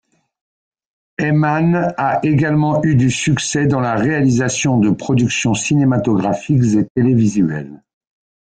Hayman a également eu du succès dans la réalisation de productions cinématographiques et télévisuelles.